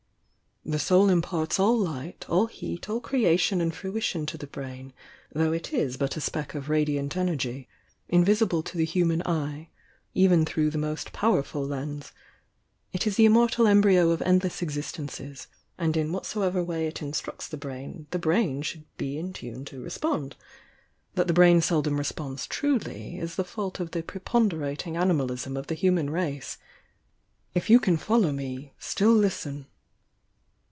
The soul imparts all light, all heat, all creation and fruition to the brain, though it is but a speck of radiant energy, invisible to tine human eye, even through the most powerful lens. It is the immortal embryo of endless exist ences, and in whatsoever way it instructs the brain, the brain should be in tune to respond. That the brain seldom responds truly, is the fault of the pre ponderating animalism of the human race. If you can follow me, still listen!"